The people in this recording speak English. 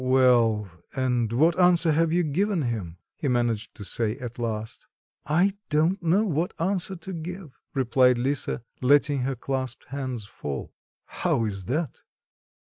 "Well, and what answer have you given him?" he managed to say at last. "I don't know what answer to give," replied Lisa, letting her clasped hands fall. "How is that?